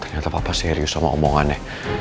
ternyata papa serius sama omongannya